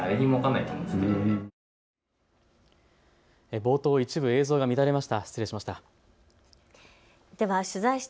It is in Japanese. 冒頭、一部映像が乱れました。